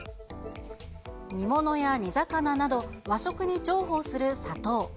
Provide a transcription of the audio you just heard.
煮物や煮魚など、和食に重宝する砂糖。